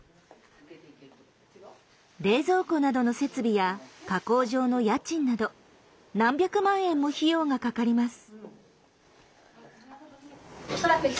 冷蔵庫などの設備や加工場の家賃など何百万円も費用がかかります。